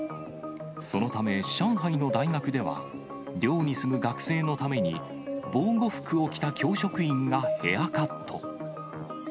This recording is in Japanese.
そのため上海の大学では、寮に住む学生のために、防護服を着た教職員がヘアカット。